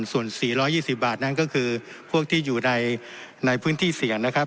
ส่วน๔๒๐บาทนั้นก็คือพวกที่อยู่ในพื้นที่เสี่ยงนะครับ